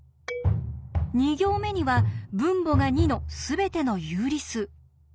２行目には分母が２のすべての有理数。